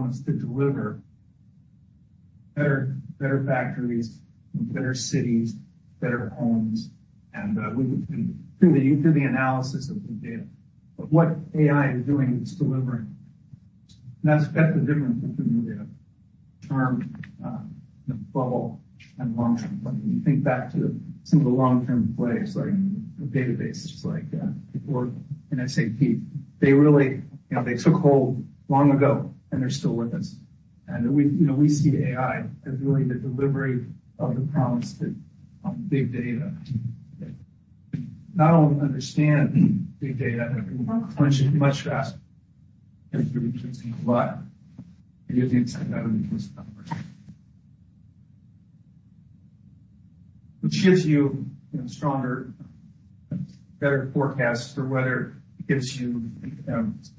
Promise to deliver better, better factories, better cities, better homes, and we would through the, through the analysis of the data. But what AI is doing is delivering. That's the difference between the term, the bubble and long term. When you think back to some of the long-term plays, like the databases, like before in SAP, they really, you know, they took hold long ago, and they're still with us. And we, you know, we see AI as really the delivery of the promise to big data. Not only understand big data, much, much faster than through that using the insights, which gives you, you know, stronger, better forecasts for weather, gives you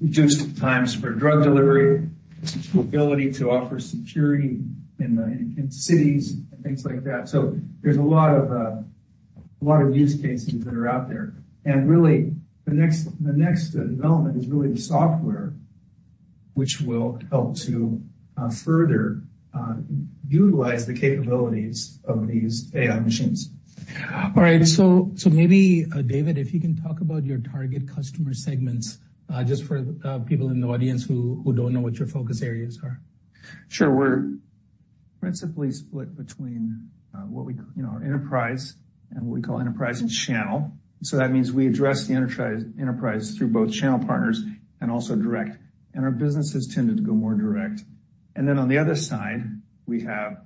reduced times for drug delivery, the ability to offer security in the, in cities and things like that. So there's a lot of, a lot of use cases that are out there. Really, the next development is really the software, which will help to further utilize the capabilities of these AI machines. All right, so maybe, David, if you can talk about your target customer segments, just for people in the audience who don't know what your focus areas are. Sure. We're principally split between, what we, you know, our enterprise and what we call enterprise and channel. So that means we address the enterprise- enterprise through both channel partners and also direct, and our business has tended to go more direct. And then on the other side, we have,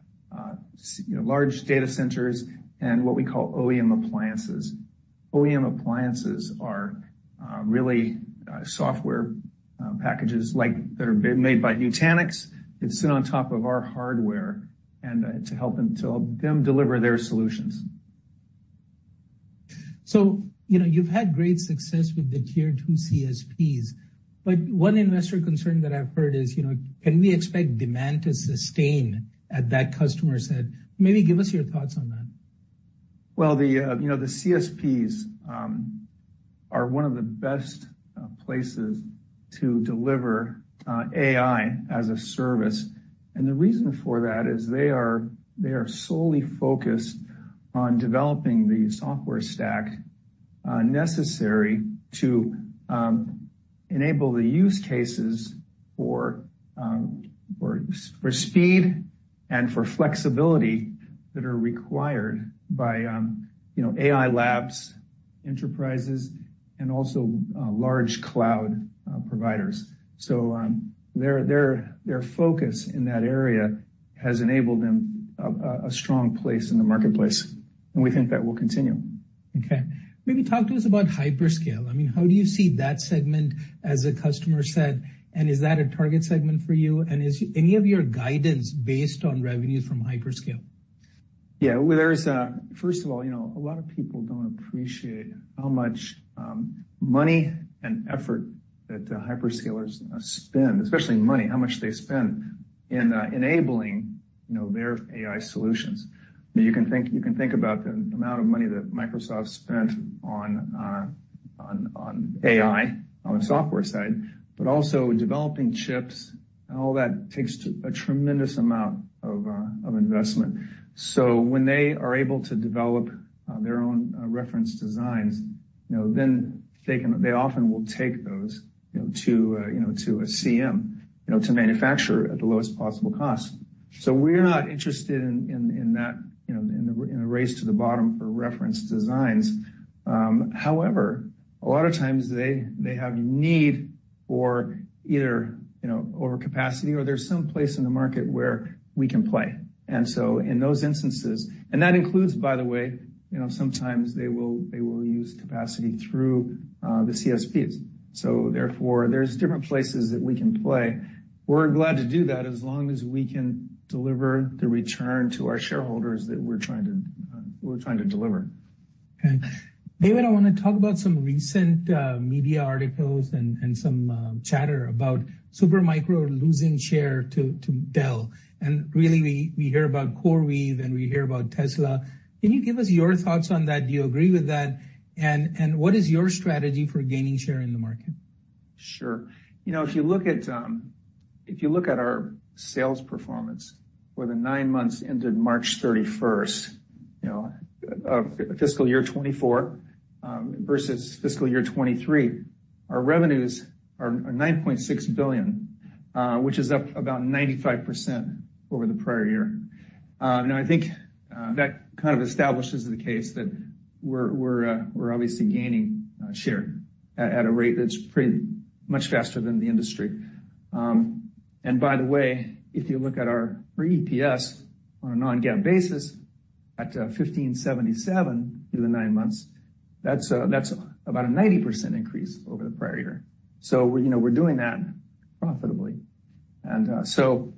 large data centers and what we call OEM appliances. OEM appliances are, really, software, packages like that are made by Nutanix, that sit on top of our hardware and, to help them, to help them deliver their solutions. So, you know, you've had great success with the tier two CSPs, but one investor concern that I've heard is, you know, can we expect demand to sustain at that customer set? Maybe give us your thoughts on that. Well, you know, the CSPs are one of the best places to deliver AI as a service. The reason for that is they are solely focused on developing the software stack necessary to enable the use cases for speed and for flexibility that are required by you know, AI labs, enterprises, and also large cloud providers. Their focus in that area has enabled them a strong place in the marketplace, and we think that will continue. Okay. Maybe talk to us about hyperscale. I mean, how do you see that segment as a customer set, and is that a target segment for you? Is any of your guidance based on revenues from hyperscale? Yeah, well, there is. First of all, you know, a lot of people don't appreciate how much money and effort that the hyperscalers spend, especially money, how much they spend in enabling, you know, their AI solutions. You can think, you can think about the amount of money that Microsoft spent on on AI, on the software side, but also developing chips and all that takes a tremendous amount of investment. So when they are able to develop their own reference designs, you know, then they can- they often will take those, you know, to a CM, you know, to manufacture at the lowest possible cost. So we're not interested in that, you know, in a race to the bottom for reference designs. However, a lot of times they have need for either, you know, overcapacity or there's some place in the market where we can play. And so in those instances, and that includes, by the way, you know, sometimes they will use capacity through the CSPs. So therefore, there's different places that we can play. We're glad to do that as long as we can deliver the return to our shareholders that we're trying to deliver. Okay. David, I want to talk about some recent media articles and some chatter about Supermicro losing share to Dell. And really, we hear about CoreWeave, and we hear about Tesla. Can you give us your thoughts on that? Do you agree with that? And what is your strategy for gaining share in the market? Sure. You know, if you look at our sales performance for the nine months ended March 31st, you know, of fiscal year 2024, versus fiscal year 2023, our revenues are $9.6 billion, which is up about 95% over the prior year. Now, I think that kind of establishes the case that we're obviously gaining share at a rate that's pretty much faster than the industry. And by the way, if you look at our EPS on a non-GAAP basis at $15.77 through the nine months, that's about a 90% increase over the prior year. So, you know, we're doing that profitably. And so,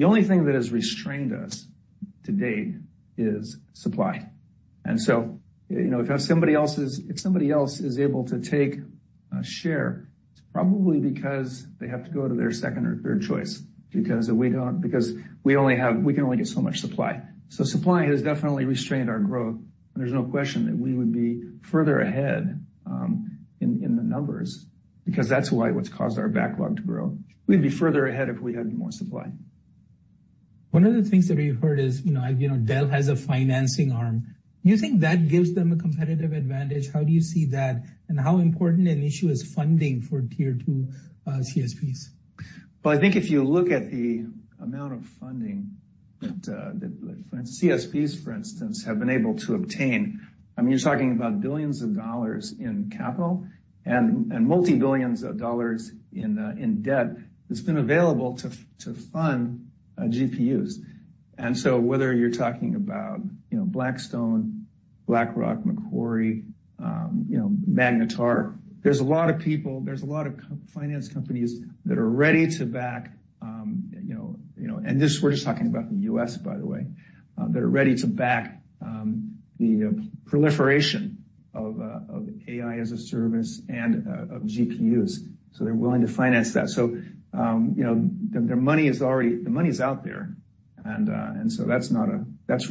the only thing that has restrained us to date is supply. And so, you know, if somebody else is able to take a share, it's probably because they have to go to their second or third choice, because we don't, because we can only get so much supply. So supply has definitely restrained our growth, and there's no question that we would be further ahead in the numbers, because that's why what's caused our backlog to grow. We'd be further ahead if we had more supply. One of the things that we've heard is, you know, you know, Dell has a financing arm. Do you think that gives them a competitive advantage? How do you see that, and how important an issue is funding for Tier two CSPs? Well, I think if you look at the amount of funding that CSPs, for instance, have been able to obtain, I mean, you're talking about billions of dollars in capital and multi-billions of dollars in debt that's been available to fund GPUs. And so whether you're talking about, you know, Blackstone, BlackRock, Macquarie, you know, Magnetar, there's a lot of people, there's a lot of co-finance companies that are ready to back, you know, you know-- And this, we're just talking about the U.S., by the way, that are ready to back the proliferation of AI as a service and of GPUs. So they're willing to finance that. So, you know, their money is already—the money is out there, and so that's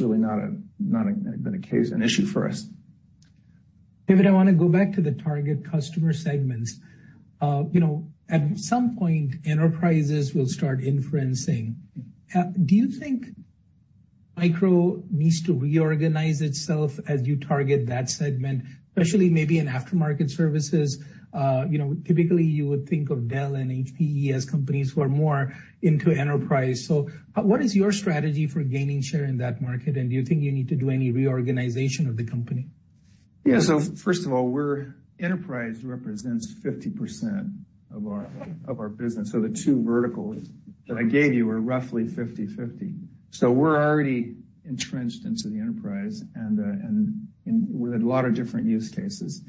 really not been a case, an issue for us. David, I want to go back to the target customer segments. You know, at some point, enterprises will start inferencing. Do you think Micro needs to reorganize itself as you target that segment, especially maybe in aftermarket services? You know, typically, you would think of Dell and HPE as companies who are more into enterprise. So what is your strategy for gaining share in that market, and do you think you need to do any reorganization of the company? Yeah, so first of all, enterprise represents 50% of our business, so the two verticals that I gave you are roughly 50/50. So we're already entrenched into the enterprise, and with a lot of different use cases.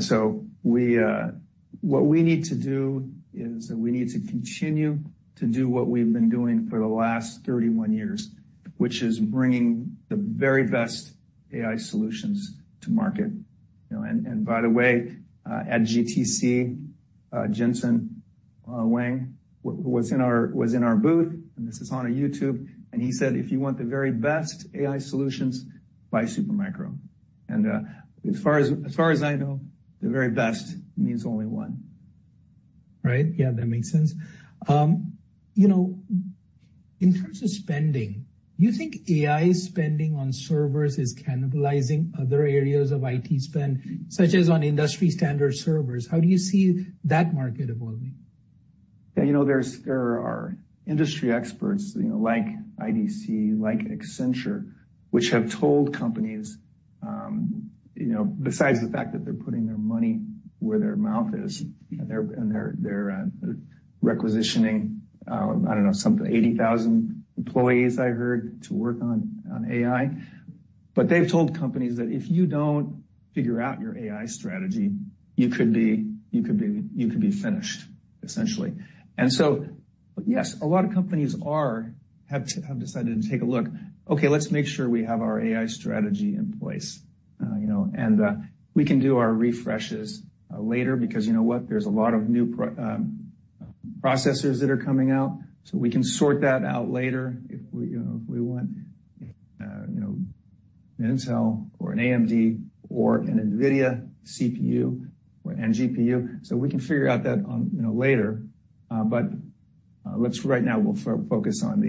So what we need to do is we need to continue to do what we've been doing for the last 31 years, which is bringing the very best AI solutions to market. You know, and by the way, at GTC, Jensen Huang was in our booth, and this is on our YouTube, and he said, "If you want the very best AI solutions, buy Supermicro." And as far as I know, the very best means only one. Right. Yeah, that makes sense. You know, in terms of spending, do you think AI spending on servers is cannibalizing other areas of IT spend, such as on industry standard servers? How do you see that market evolving? Yeah, you know, there are industry experts, you know, like IDC, like Accenture, which have told companies, you know, besides the fact that they're putting their money where their mouth is, and they're requisitioning, I don't know, some 80,000 employees I heard, to work on AI. But they've told companies that if you don't figure out your AI strategy, you could be finished, essentially. And so, yes, a lot of companies have decided to take a look. Okay, let's make sure we have our AI strategy in place, you know, and we can do our refreshes later, because you know what? There's a lot of new processors that are coming out, so we can sort that out later if we, you know, if we want, you know, an Intel or an AMD or an NVIDIA CPU or NGPU. So we can figure out that on, you know, later, but let's right now we'll focus on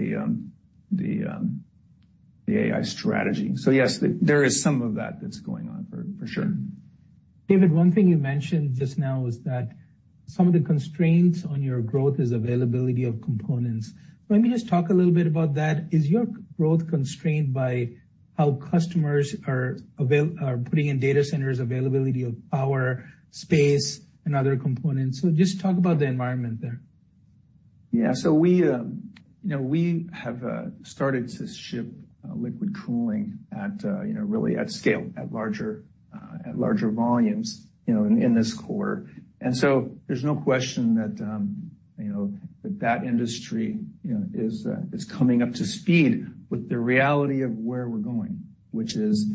the AI strategy. So yes, there is some of that that's going on for sure. David, one thing you mentioned just now is that some of the constraints on your growth is availability of components. Let me just talk a little bit about that. Is your growth constrained by how customers are putting in data centers, availability of power, space, and other components? So just talk about the environment there. Yeah. So we, you know, we have started to ship liquid cooling at, you know, really at scale, at larger, at larger volumes, you know, in, in this quarter. And so there's no question that, you know, that that industry, you know, is, is coming up to speed with the reality of where we're going, which is,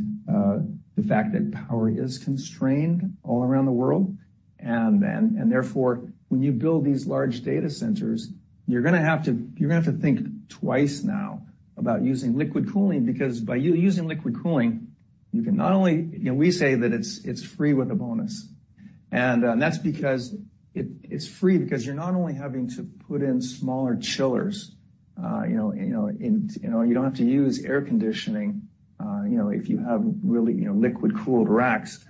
the fact that power is constrained all around the world. And then, and therefore, when you build these large data centers, you're gonna have to, you're gonna have to think twice now about using liquid cooling, because by you using liquid cooling, you can not only... You know, we say that it's, it's free with a bonus. That's because it's free because you're not only having to put in smaller chillers, you know, you don't have to use air conditioning, you know, if you have really, you know, liquid-cooled racks,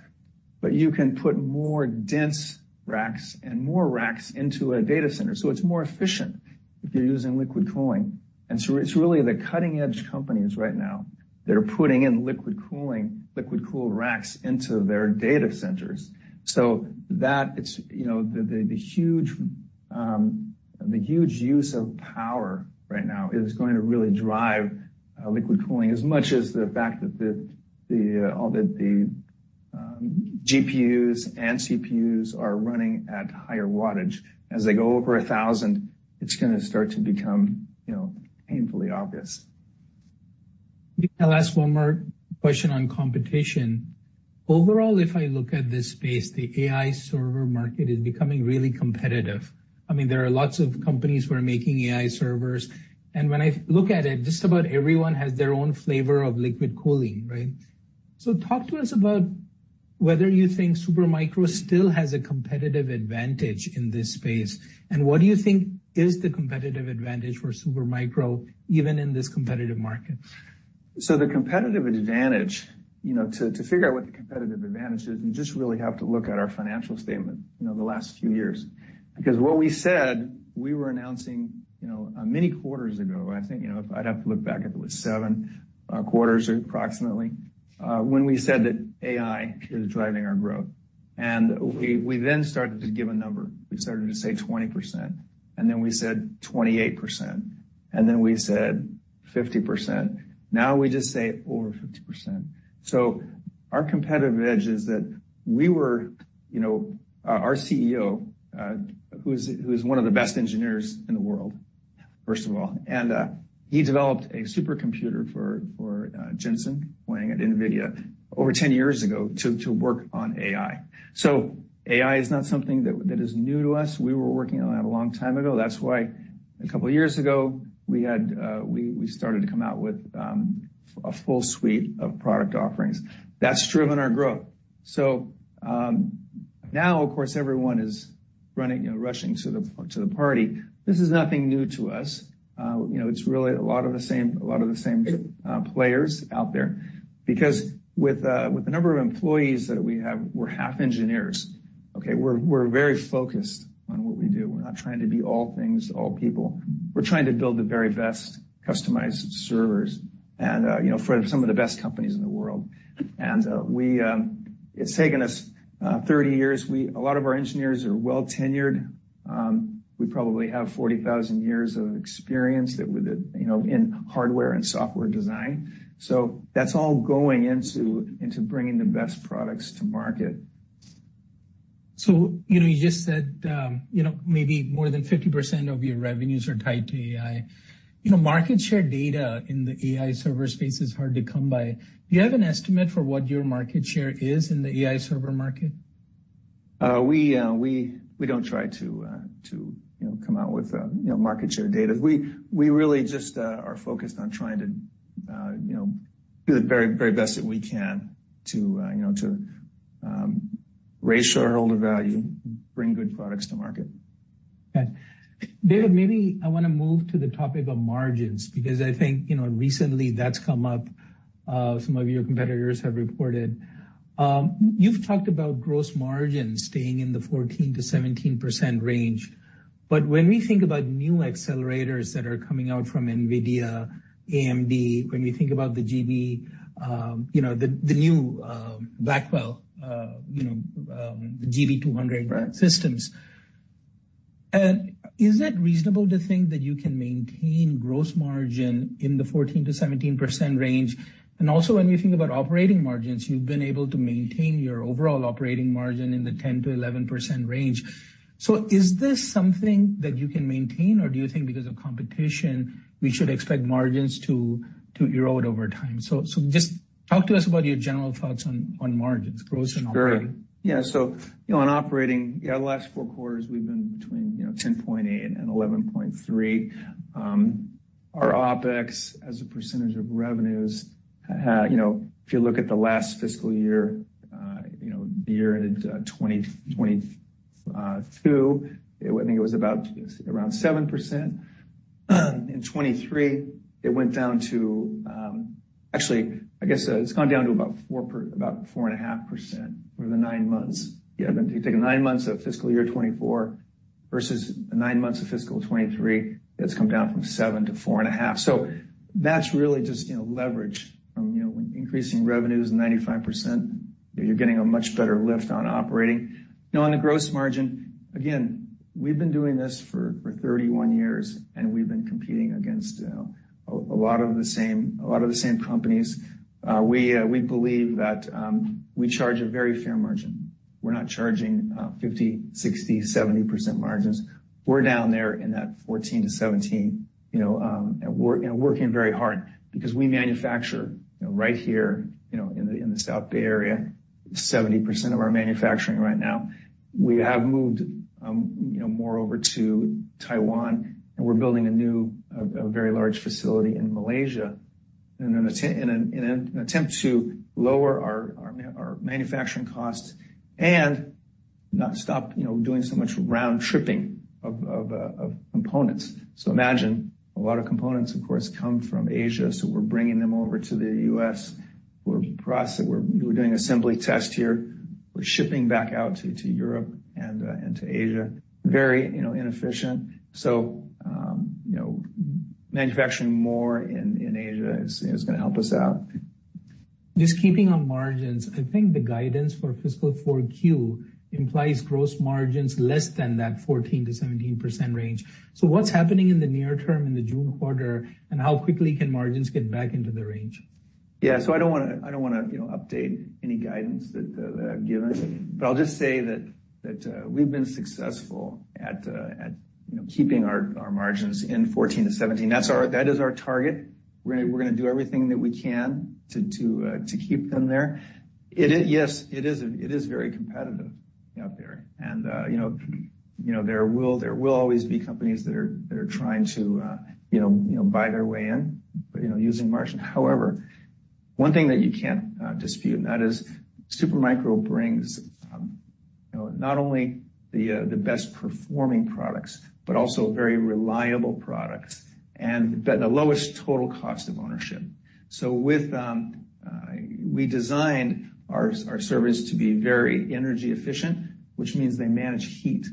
but you can put more dense racks and more racks into a data center. So it's more efficient if you're using liquid cooling. And so it's really the cutting-edge companies right now that are putting in liquid cooling, liquid-cooled racks into their data centers. So that it's, you know, the huge use of power right now is going to really drive liquid cooling as much as the fact that all the GPUs and CPUs are running at higher wattage. As they go over 1,000, it's gonna start to become, you know, painfully obvious. I'll ask one more question on competition. Overall, if I look at this space, the AI server market is becoming really competitive. I mean, there are lots of companies who are making AI servers, and when I look at it, just about everyone has their own flavor of liquid cooling, right? So talk to us about whether you think Supermicro still has a competitive advantage in this space, and what do you think is the competitive advantage for Supermicro, even in this competitive market? So the competitive advantage, you know, to, to figure out what the competitive advantage is, you just really have to look at our financial statement, you know, the last few years. Because what we said, we were announcing, you know, many quarters ago, I think, you know, I'd have to look back if it was seven quarters approximately, when we said that AI is driving our growth. And we, we then started to give a number. We started to say 20%, and then we said 28%, and then we said 50%. Now we just say over 50%. So our competitive edge is that we were, you know, our CEO, who is one of the best engineers in the world, first of all, and he developed a supercomputer for Jensen Huang at NVIDIA over 10 years ago to work on AI. So AI is not something that is new to us. We were working on that a long time ago. That's why a couple of years ago, we started to come out with a full suite of product offerings. That's driven our growth. So now, of course, everyone is running, you know, rushing to the party. This is nothing new to us. You know, it's really a lot of the same, a lot of the same, players out there, because with, with the number of employees that we have, we're half engineers, okay? We're very focused on what we do. We're not trying to be all things to all people. We're trying to build the very best customized servers and, you know, for some of the best companies in the world. And, we, it's taken us, 30 years. A lot of our engineers are well tenured. We probably have 40,000 years of experience that with it, you know, in hardware and software design. So that's all going into bringing the best products to market. So, you know, you just said, you know, maybe more than 50% of your revenues are tied to AI. You know, market share data in the AI server space is hard to come by. Do you have an estimate for what your market share is in the AI server market? We don't try to, you know, come out with, you know, market share data. We really just are focused on trying to, you know, do the very, very best that we can to, you know, raise shareholder value, bring good products to market. Okay. David, maybe I wanna move to the topic of margins, because I think, you know, recently that's come up, some of your competitors have reported. You've talked about gross margins staying in the 14%-17% range. But when we think about new accelerators that are coming out from NVIDIA, AMD, when we think about the GB, you know, the, the new, Blackwell, you know, the GB200- Right systems, is it reasonable to think that you can maintain gross margin in the 14%-17% range? And also, when you think about operating margins, you've been able to maintain your overall operating margin in the 10%-11% range. So is this something that you can maintain, or do you think because of competition, we should expect margins to erode over time? So just talk to us about your general thoughts on margins, gross and operating. Sure. Yeah, so you know, on operating, yeah, the last four quarters, we've been between, you know, 10.8 and 11.3. Our OpEx as a percentage of revenues, you know, if you look at the last fiscal year, you know, the year in 2022, I think it was about around 7%. In 2023, it went down to... Actually, I guess, it's gone down to about 4.5% the nine months. Yeah, but if you take the nine months of fiscal year 2024 versus the nine months of fiscal 2023, it's come down from 7% to 4.5%. So that's really just, you know, leverage from, you know, increasing revenues 95%, you're getting a much better lift on operating. Now, on the gross margin, again, we've been doing this for 31 years, and we've been competing against a lot of the same companies. We believe that we charge a very fair margin. We're not charging 50%, 60%, 70% margins. We're down there in that 14%-17%, you know, and we're working very hard because we manufacture, you know, right here, you know, in the South Bay area, 70% of our manufacturing right now. We have moved, you know, more over to Taiwan, and we're building a new very large facility in Malaysia in an attempt to lower our manufacturing costs and not stop, you know, doing so much round tripping of components. So imagine a lot of components, of course, come from Asia, so we're bringing them over to the U.S. We're doing assembly test here. We're shipping back out to Europe and to Asia. Very, you know, inefficient. So, you know, manufacturing more in Asia is gonna help us out. Just keeping on margins, I think the guidance for fiscal 4Q implies gross margins less than that 14%-17% range. So what's happening in the near term in the June quarter, and how quickly can margins get back into the range? Yeah. So I don't wanna, I don't wanna, you know, update any guidance that, that I've given, but I'll just say that, that, we've been successful at, you know, keeping our, our margins in 14%-17%. That's our- that is our target. We're gonna, we're gonna do everything that we can to, to, to keep them there. It is, yes, it is, it is very competitive out there. And, you know, you know, there will, there will always be companies that are, that are trying to, you know, you know, buy their way in, but, you know, using margin. However, one thing that you can't, dispute, and that is Supermicro brings, you know, not only the, the best performing products, but also very reliable products and the, the lowest total cost of ownership. So with, we designed our servers to be very energy efficient, which means they manage heat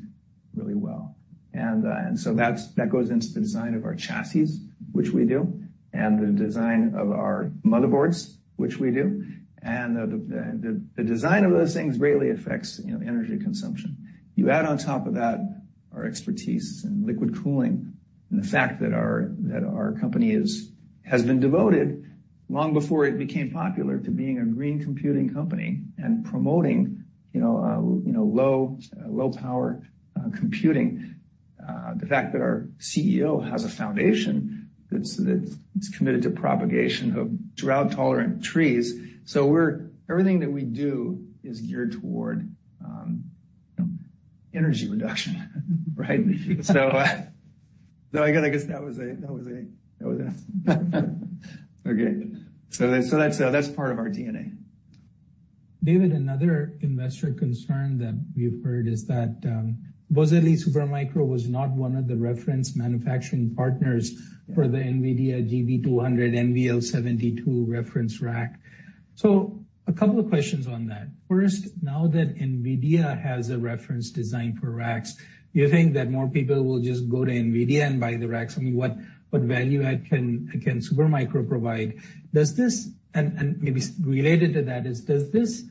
really well. And, and so that goes into the design of our chassis, which we do, and the design of our motherboards, which we do. And the design of those things greatly affects, you know, the energy consumption. You add on top of that our expertise in liquid cooling and the fact that our company has been devoted, long before it became popular, to being a green computing company and promoting, you know, low power computing. The fact that our CEO has a foundation that's committed to propagation of drought-tolerant trees. So we're, everything that we do is geared toward, you know, energy reduction, right? So, I guess that was a... Okay. So that's part of our DNA. David, another investor concern that we've heard is that Supermicro was not one of the reference manufacturing partners for the NVIDIA GB200 NVL72 reference rack. So a couple of questions on that. First, now that NVIDIA has a reference design for racks, do you think that more people will just go to NVIDIA and buy the racks? I mean, what value add can Supermicro provide? Does this... And maybe related to that is, does this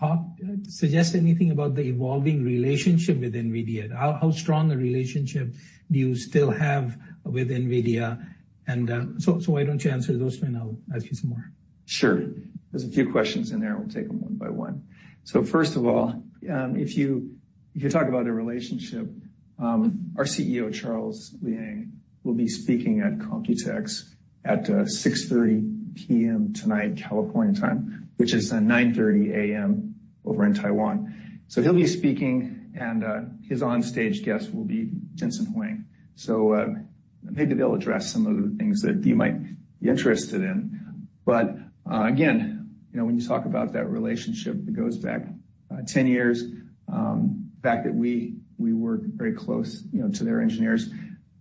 talk suggest anything about the evolving relationship with NVIDIA? How strong a relationship do you still have with NVIDIA? And so why don't you answer those two, and I'll ask you some more. Sure. There's a few questions in there. We'll take them one by one. So first of all, if you talk about the relationship, our CEO, Charles Liang, will be speaking at COMPUTEX at 6:30 P.M. tonight, California time, which is 9:30 A.M. over in Taiwan. So he'll be speaking, and his on-stage guest will be Jensen Huang. So, maybe they'll address some of the things that you might be interested in. But, again, you know, when you talk about that relationship, it goes back 10 years, the fact that we work very close, you know, to their engineers,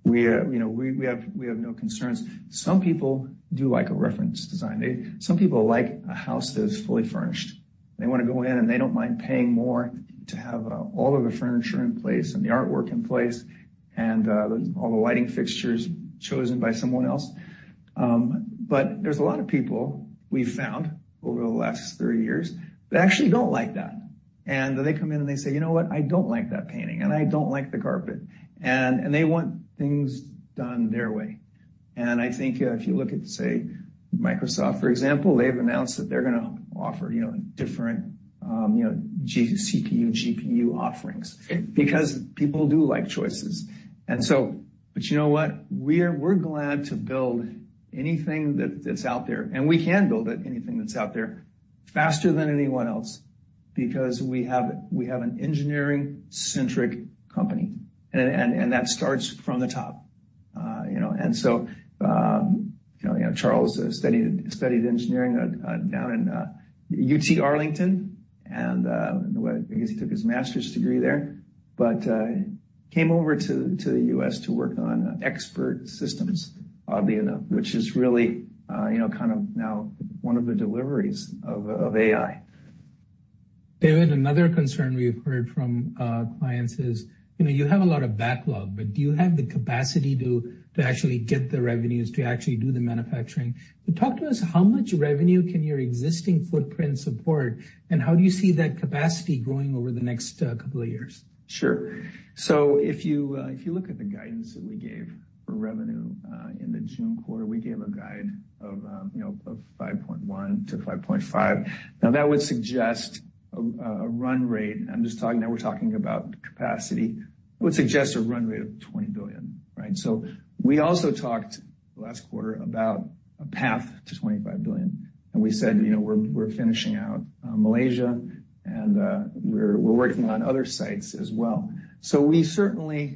we, you know, we have no concerns. Some people do like a reference design. Some people like a house that is fully furnished. They wanna go in, and they don't mind paying more to have all of the furniture in place and the artwork in place and all the lighting fixtures chosen by someone else. But there's a lot of people we've found over the last 30 years that actually don't like that. And they come in, and they say, "You know what? I don't like that painting, and I don't like the carpet." And they want things done their way. And I think if you look at, say, Microsoft, for example, they've announced that they're gonna offer, you know, different, you know, GPU, CPU offerings, because people do like choices. And so... But you know what? We're glad to build anything that's out there, and we can build it, anything that's out there, faster than anyone else, because we have an engineering-centric company, and that starts from the top. You know, and so, you know, Charles studied engineering down in UT Arlington, and I guess he took his master's degree there, but came over to the U.S. to work on expert systems, oddly enough, which is really, you know, kind of now one of the deliveries of AI. David, another concern we've heard from clients is, you know, you have a lot of backlog, but do you have the capacity to actually get the revenues, to actually do the manufacturing? Talk to us, how much revenue can your existing footprint support, and how do you see that capacity growing over the next couple of years? Sure. So if you look at the guidance that we gave for revenue in the June quarter, we gave a guide of, you know, of $5.1 billion-$5.5 billion. Now, that would suggest a run rate, I'm just talking, now we're talking about capacity, would suggest a run rate of $20 billion, right? So we also talked last quarter about a path to $25 billion, and we said, you know, we're finishing out Malaysia, and we're working on other sites as well. So we certainly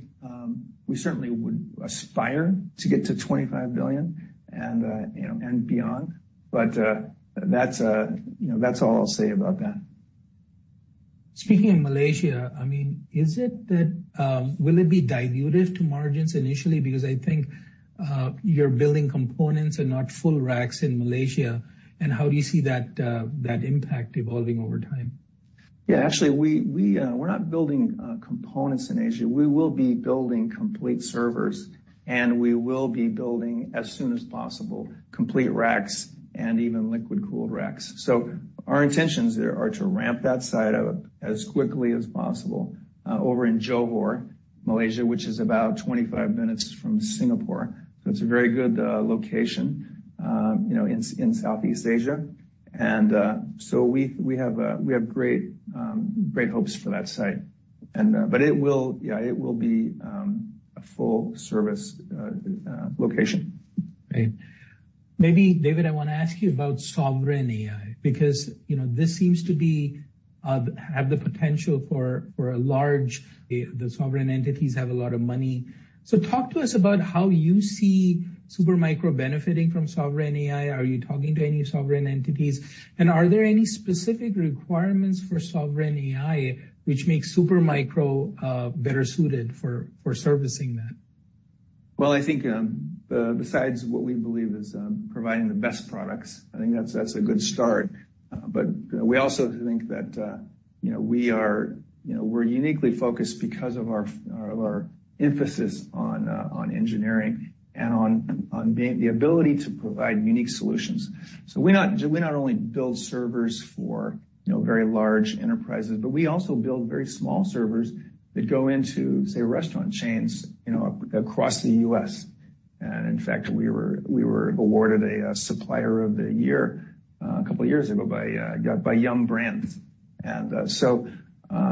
would aspire to get to $25 billion and, you know, and beyond, but that's, you know, that's all I'll say about that. Speaking of Malaysia, I mean, is it that, will it be dilutive to margins initially? Because I think, you're building components and not full racks in Malaysia, and how do you see that, that impact evolving over time? Yeah, actually, we're not building components in Asia. We will be building complete servers, and we will be building, as soon as possible, complete racks and even liquid-cooled racks. So our intentions there are to ramp that side up as quickly as possible, over in Johor, Malaysia, which is about 25 minutes from Singapore. So it's a very good location, you know, in Southeast Asia. And, so we have great hopes for that site. And, but it will, yeah, it will be a full service location. Great. Maybe, David, I want to ask you about sovereign AI, because, you know, this seems to have the potential for a large, the sovereign entities have a lot of money. So talk to us about how you see Supermicro benefiting from sovereign AI. Are you talking to any sovereign entities? And are there any specific requirements for sovereign AI, which makes Supermicro better suited for servicing that? Well, I think, besides what we believe is providing the best products, I think that's a good start. But we also think that, you know, we are, you know, we're uniquely focused because of our emphasis on engineering and on being the ability to provide unique solutions. So we not only build servers for, you know, very large enterprises, but we also build very small servers that go into, say, restaurant chains, you know, across the U.S. And in fact, we were awarded a Supplier of the Year a couple of years ago by Yum! Brands. And so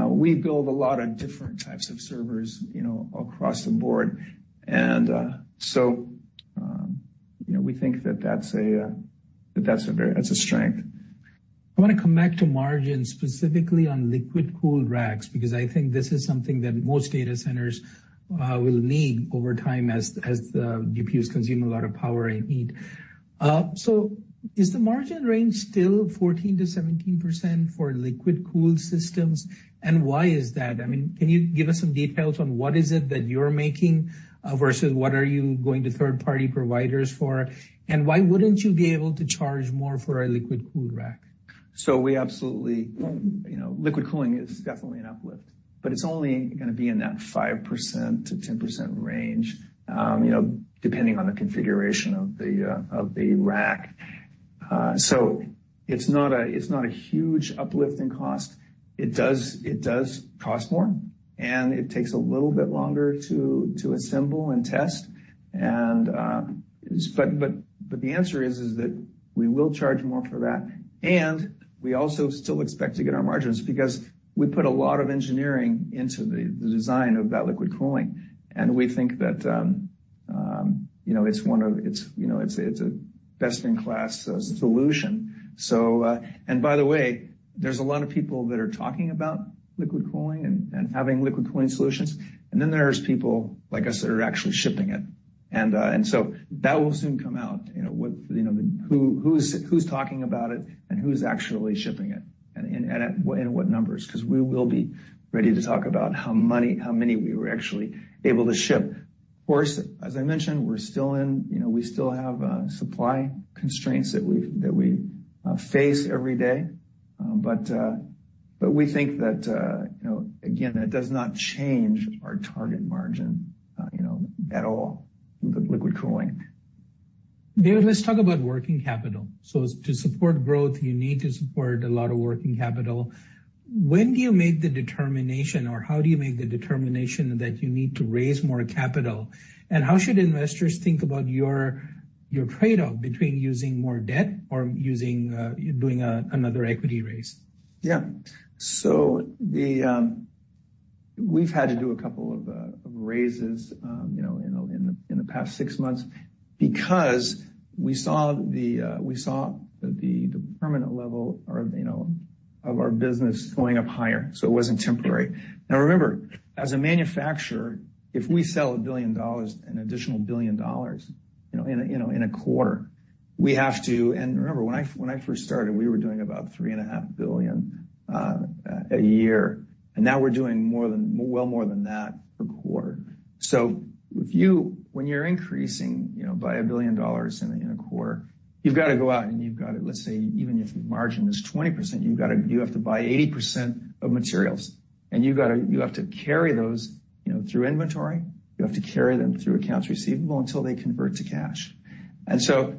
we build a lot of different types of servers, you know, across the board. And so, you know, we think that that's a strength. I want to come back to margins, specifically on liquid cool racks, because I think this is something that most data centers will need over time as the GPUs consume a lot of power and heat. So is the margin range still 14%-17% for liquid cool systems, and why is that? I mean, can you give us some details on what is it that you're making versus what are you going to third-party providers for? And why wouldn't you be able to charge more for a liquid cool rack? So we absolutely... You know, liquid cooling is definitely an uplift, but it's only gonna be in that 5%-10% range, you know, depending on the configuration of the rack. So it's not a huge uplift in cost. It does cost more, and it takes a little bit longer to assemble and test. And the answer is that we will charge more for that, and we also still expect to get our margins because we put a lot of engineering into the design of that liquid cooling. And we think that, you know, it's a best-in-class solution. So... And by the way, there's a lot of people that are talking about liquid cooling and having liquid cooling solutions, and then there's people, like I said, are actually shipping it. And so that will soon come out, you know, with who is talking about it and who is actually shipping it, and in what numbers, because we will be ready to talk about how many we were actually able to ship. Of course, as I mentioned, we're still in, you know, we still have supply constraints that we face every day. But we think that, you know, again, that does not change our target margin, you know, at all, the liquid cooling. David, let's talk about working capital. So to support growth, you need to support a lot of working capital. When do you make the determination, or how do you make the determination that you need to raise more capital? And how should investors think about your, your trade-off between using more debt or using, doing a, another equity raise? Yeah. So we've had to do a couple of raises, you know, in the past six months because we saw the permanent level, you know, of our business going up higher, so it wasn't temporary. Now, remember, as a manufacturer, if we sell $1 billion, an additional $1 billion, you know, in a quarter, we have to... And remember, when I first started, we were doing about $3.5 billion a year, and now we're doing more than, well more than that per quarter. When you're increasing, you know, by $1 billion in a quarter, you've got to go out, and you've got to, let's say, even if the margin is 20%, you've got to – you have to buy 80% of materials, and you've got to – you have to carry those, you know, through inventory. You have to carry them through accounts receivable until they convert to cash. And so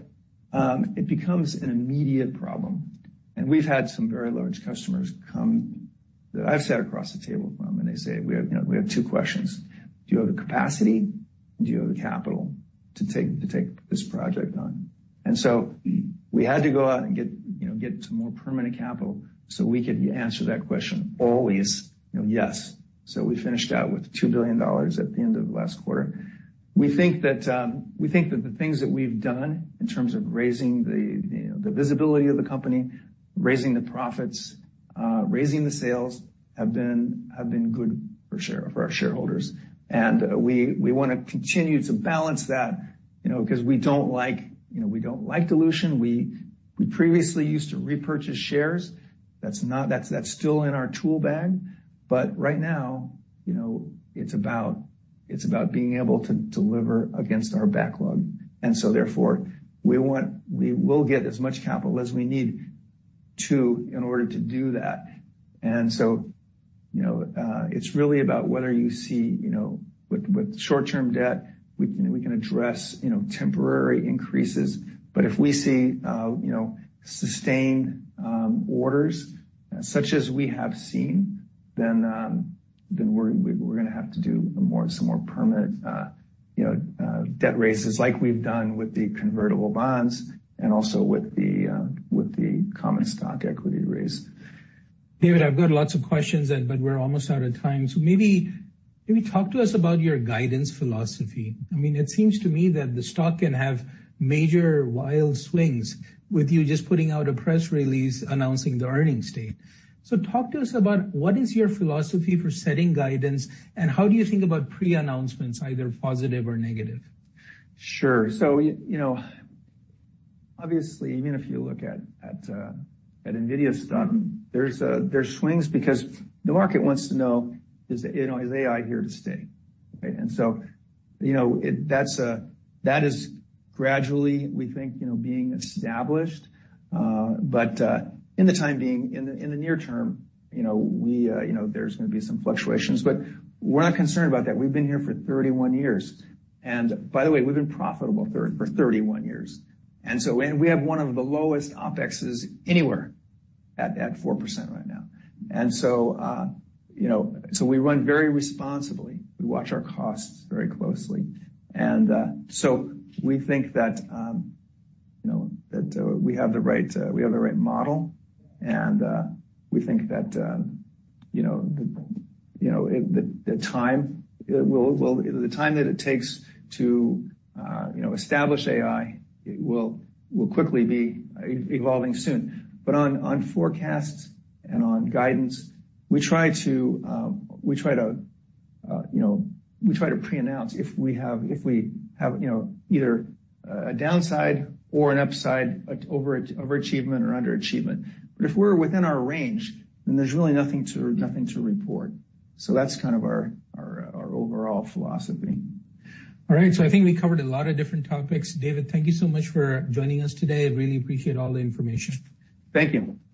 it becomes an immediate problem. And we've had some very large customers come that I've sat across the table from, and they say, "We have, you know, we have two questions: Do you have the capacity? Do you have the capital to take this project on?" And so we had to go out and get, you know, more permanent capital so we could answer that question always, you know, yes. We finished out with $2 billion at the end of last quarter. We think that the things that we've done in terms of raising the, you know, the visibility of the company, raising the profits, raising the sales, have been good for our shareholders. We wanna continue to balance that, you know, because we don't like, you know, we don't like dilution. We previously used to repurchase shares. That's still in our tool bag, but right now, you know, it's about being able to deliver against our backlog. Therefore, we will get as much capital as we need to in order to do that. And so, you know, it's really about whether you see, you know, with short-term debt, we can address, you know, temporary increases. But if we see, you know, sustained orders, such as we have seen, then we're gonna have to do some more permanent debt raises like we've done with the convertible bonds and also with the common stock equity raise. David, I've got lots of questions and but we're almost out of time. So maybe, maybe talk to us about your guidance philosophy. I mean, it seems to me that the stock can have major wild swings with you just putting out a press release announcing the earnings date. So talk to us about what is your philosophy for setting guidance, and how do you think about pre-announcements, either positive or negative? Sure. So, you know, obviously, even if you look at NVIDIA's stock, there's swings because the market wants to know, is, you know, is AI here to stay? Right. And so, you know, it, that's that is gradually, we think, you know, being established, but, in the time being, in the near term, you know, we, you know, there's gonna be some fluctuations. But we're not concerned about that. We've been here for 31 years, and by the way, we've been profitable for 31 years. And so, and we have one of the lowest OpExes anywhere at 4% right now. And so, you know, so we run very responsibly. We watch our costs very closely. So we think that, you know, that we have the right model, and we think that, you know, the time that it takes to, you know, establish AI will quickly be evolving soon. But on forecasts and on guidance, we try to, you know, preannounce if we have, you know, either a downside or an upside, overachievement or underachievement. But if we're within our range, then there's really nothing to report. So that's kind of our overall philosophy. All right. So I think we covered a lot of different topics. David, thank you so much for joining us today. I really appreciate all the information. Thank you.